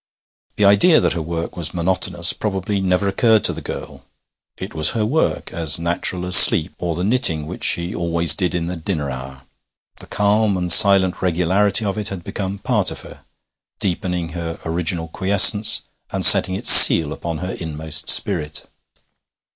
The idea that her work was monotonous probably never occurred to the girl. It was her work as natural as sleep, or the knitting which she always did in the dinner hour. The calm and silent regularity of it had become part of her, deepening her original quiescence, and setting its seal upon her inmost spirit.